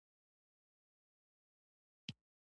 د بدو لارو زیانونه ورته بیانوي.